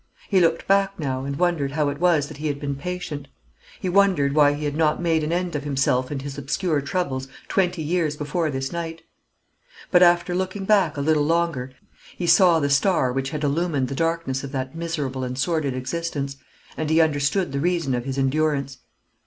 He looked back now, and wondered how it was that he had been patient; he wondered why he had not made an end of himself and his obscure troubles twenty years before this night. But after looking back a little longer, he saw the star which had illumined the darkness of that miserable and sordid existence, and he understood the reason of his endurance.